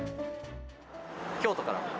京都から。